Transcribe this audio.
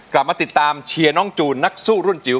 กลับมาติดตามเชียร์น้องจูนนักสู้รุ่นจิ๋ว